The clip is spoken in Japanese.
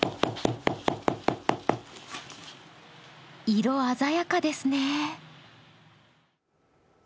色鮮やかですね。